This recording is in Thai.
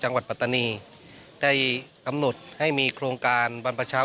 จังหวัดปรัตตาลีได้กำหนดให้มีโครงการบรรพชา